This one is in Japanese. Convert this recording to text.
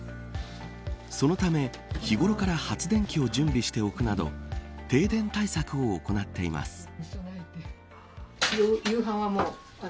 そのため、日頃から発電機を準備しておくなど停電対策を行っています。